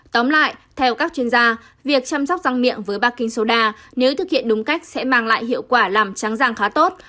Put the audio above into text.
tóm lại theo các chuyên gia việc chăm sóc răng miệng với baking soda nếu thực hiện đúng cách sẽ mang lại hiệu quả làm trắng răng khá tốt